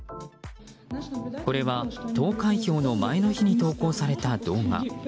これは投開票の前の日に投稿された動画。